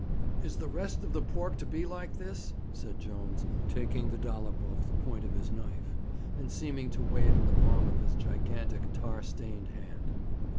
'Is the rest of the pork to be like this?' said Jones, taking the dollop off the point of his knife, and seeming to weigh it in the palm of his gigantic, tar stained hand.